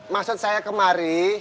maksud saya kemari